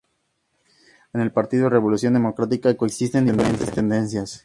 En el partido Revolución Democrática coexisten diferentes tendencias.